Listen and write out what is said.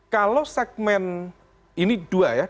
kalau segmen ini dua ya